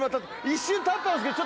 一瞬立ったんですけど